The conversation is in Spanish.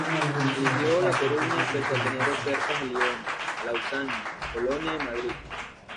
Eligió La Coruña pese a tener ofertas de Lyon, Lausanne, Colonia y Madrid.